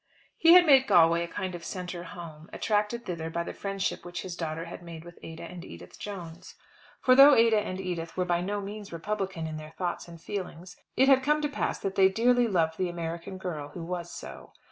He had made Galway a kind of centre home, attracted thither by the friendship which his daughter had made with Ada and Edith Jones. For though Ada and Edith were by no means Republican in their thoughts and feelings, it had come to pass that they dearly loved the American girl who was so.